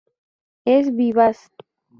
Es vivaz.